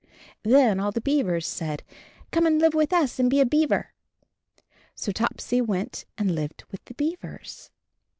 Then all the beavers said, "Come and live with us and be a beaver." So Topsy went and lived with the beavers.